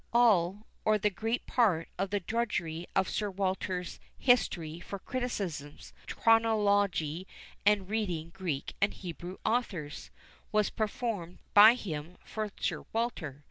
All, or the greatest part of the drudgery of Sir Walter's History for criticisms, chronology, and reading Greek and Hebrew authors, was performed by him for Sir Walter."